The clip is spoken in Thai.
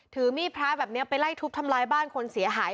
ถือมีดพระแบบนี้ไปไล่ทุบทำลายบ้านคนเสียหาย